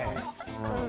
うん。